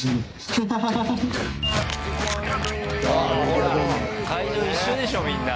ほら、会場一緒でしょみんな。